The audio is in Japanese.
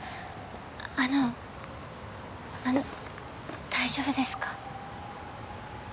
あのあの大丈夫ですか？